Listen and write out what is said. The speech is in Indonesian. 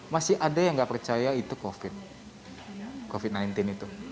masih ada yang nggak percaya itu covid sembilan belas itu